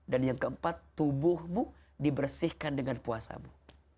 dan yang keempat tubuhmu dibersihkan dengan puasamu